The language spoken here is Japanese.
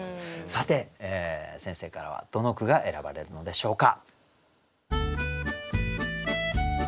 さて先生からはどの句が選ばれるのでしょうか。